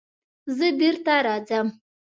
زه بېرته راځم.